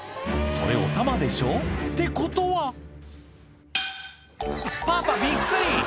それおたまでしょ？ってことはパパびっくり！